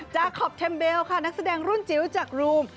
จากคอปแคมเบลค่ะนักแสดงรุ่นจิ๋วจากรูม